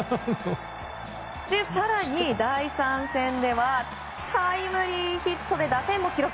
更に、第３戦ではタイムリーヒットで打点も記録。